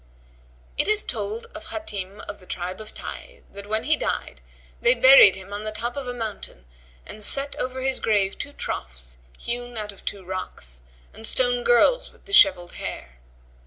It is told of Hбtim of the tribe of Tayy,[FN#129] that when he died, they buried him on the top of a mountain and set over his grave two troughs hewn out of two rocks and stone girls with dishevelled hair.